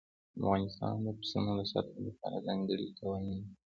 افغانستان د پسونو د ساتنې لپاره ځانګړي قوانين لري.